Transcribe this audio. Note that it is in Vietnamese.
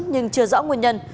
nhưng chưa rõ nguyên nhân